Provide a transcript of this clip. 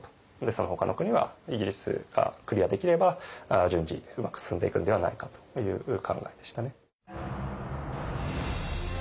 そのほかの国はイギリスがクリアできれば順次うまく進んでいくんではないかという考えでしたね。